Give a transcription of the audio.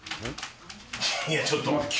いやちょっと待って。